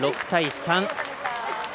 ６対３。